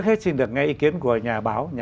hơn hai trăm linh loại bệnh